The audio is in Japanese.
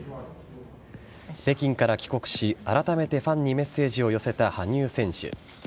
北京から帰国し、改めてファンにメッセージを寄せた羽生選手。